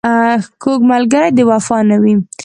کوږ ملګری د وفا نه وي